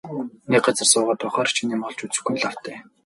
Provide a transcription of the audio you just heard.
Нэг газар суугаад байхаар шинэ юм олж үзэхгүй нь лав.